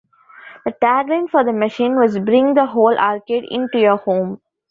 The tagline for the machine was Bring the whole arcade into your home!